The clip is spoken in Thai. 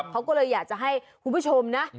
เขาก็เลยอยากจะให้คุณผู้ชมนะ